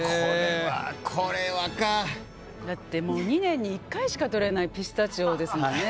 だって２年に１回しかとれないピスタチオですもんね。